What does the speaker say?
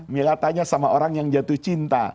jika ditanya kepada orang yang jatuh cinta